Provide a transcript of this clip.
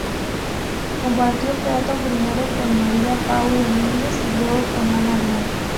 Compartió plató primero con María Pau Domínguez y luego con Ana Blanco.